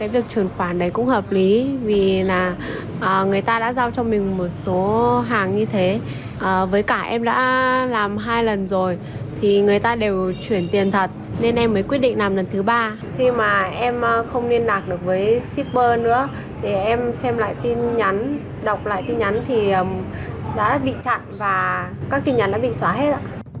và các tin nhắn đã bị xóa hết